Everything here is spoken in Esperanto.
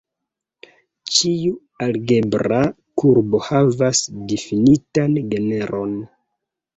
Ĉiu algebra kurbo havas difinitan genron.